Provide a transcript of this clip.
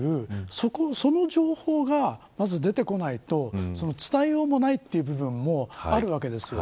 その情報がまず出てこないと伝えようもないという部分もあるわけです。